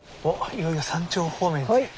いよいよ山頂方面という。